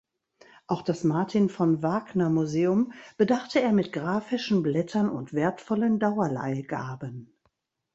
Auch das Martin von Wagner Museum bedachte er mit grafischen Blättern und wertvollen Dauerleihgaben.